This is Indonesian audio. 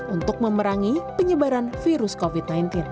untuk memerangi penyebaran virus covid sembilan belas